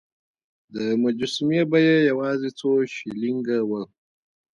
د مجسمې بیه یوازې څو شیلینګه وه.